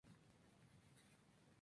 Según apuntó el director Ritchie Smyth.